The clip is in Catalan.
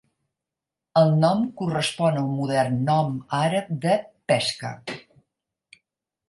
El nom correspon al modern nom àrab de 'pesca'.